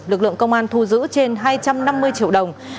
lực lượng công an thu giữ trên hai trăm năm mươi triệu đồng